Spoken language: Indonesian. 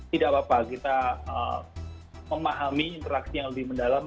tidak apa apa kita memahami interaksi yang lebih mendalam